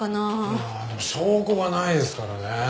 いやでも証拠がないですからね。